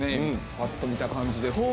パッと見た感じですと。